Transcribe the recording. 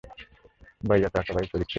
বাইয়াতে আকাবায় শরীক ছিলেন।